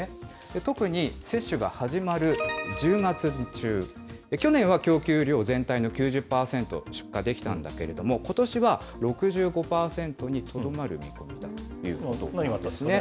特に接種が始まる１０月中、去年は供給量全体の９０％出荷できたんだけれども、ことしは６５％にとどまる見込みだということなんですね。